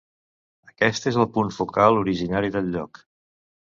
Aquest és el punt focal originari del lloc.